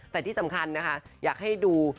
แต่ที่สำคัญนะคะอยากให้ดู